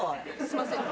すいません。